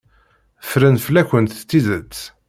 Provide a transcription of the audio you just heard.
Ffren fell-akent tidet.